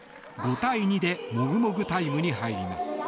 ５対２でもぐもぐタイムに入ります。